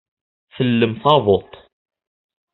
Tellem taḍuṭ.